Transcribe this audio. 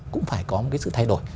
cũng phải có một cái sự thay đổi